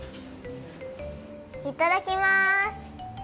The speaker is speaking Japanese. いただきます！